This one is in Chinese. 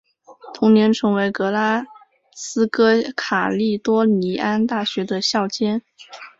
同年成为格拉斯哥卡利多尼安大学的校监。